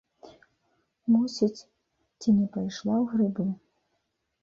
Мусіць, ці не пайшла ў грыбы.